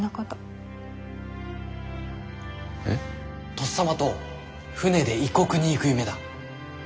とっさまと船で異国に行く夢だ。